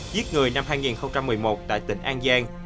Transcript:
giết người năm hai nghìn một mươi một tại tỉnh an giang